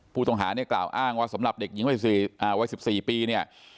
ผู้ต้องหาเนี่ยกล่าวอ้างว่าสำหรับเด็กหญิงวัย๑๔ปีเนี่ย